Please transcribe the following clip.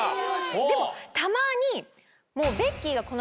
でもたまに。